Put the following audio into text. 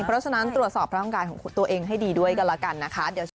ก็ยังอยู่ในรอบ๒